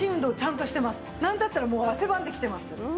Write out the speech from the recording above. なんだったらもう汗ばんできてます。